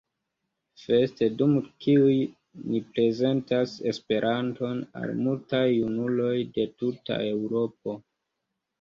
Fest, dum kiuj ni prezentas Esperanton al multaj junuloj de tuta Eŭropo.